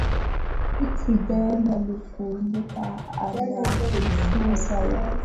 reuben lukumbuka anaarifu zaidi